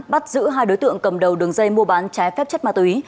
bắt giữ hai đối tượng cầm đầu đường dây mua bán trái phép chất ma túy